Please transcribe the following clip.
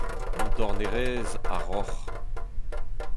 An dornerez a roc’h.